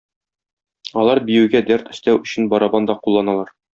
Алар биюгә дәрт өстәү өчен барабан да кулланалар.